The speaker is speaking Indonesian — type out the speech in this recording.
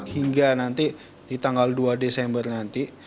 hingga nanti di tanggal dua desember nanti